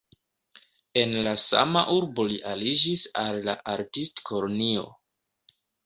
En la sama urbo li aliĝis al la artistkolonio.